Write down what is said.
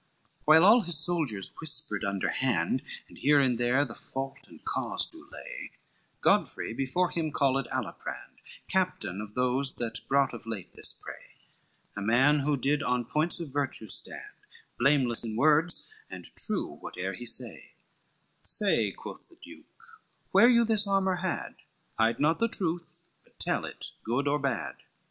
L While all his soldiers whispered under hand, And here and there the fault and cause do lay, Godfrey before him called Aliprand Captain of those that brought of late this prey, A man who did on points of virtue stand, Blameless in words, and true whate'er he say, "Say," quoth the duke, "where you this armor had, Hide not the truth, but tell it good or bad."